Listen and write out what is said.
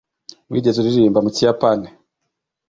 wigeze uririmba mu kiyapani